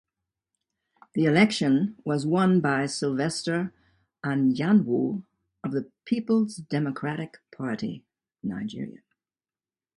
The election was won by Sylvester Anyanwu of the Peoples Democratic Party (Nigeria).